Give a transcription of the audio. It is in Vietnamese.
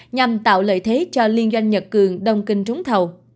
nhằm tạo lợi thế cho liên doanh nhật cường đông kinh trúng thầu